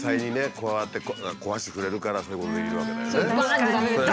こうやって壊してくれるからそういうことできるわけだよね。